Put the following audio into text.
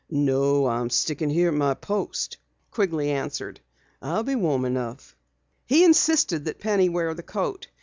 "No, I'm sticking here at my post," Quigley answered. "I'll be warm enough." He insisted that Penny wear the coat.